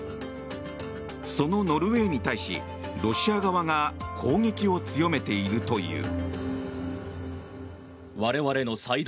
そのノルウェーに対しロシア側が攻撃を強めているという。